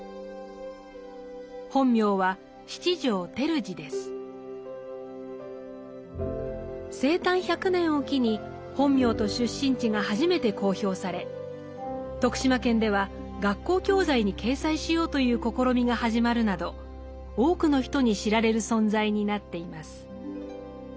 本名は生誕１００年を機に本名と出身地が初めて公表され徳島県では学校教材に掲載しようという試みが始まるなど多くの人に知られる存在になっています。